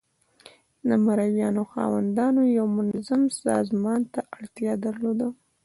د مرئیانو خاوندانو یو منظم سازمان ته اړتیا درلوده.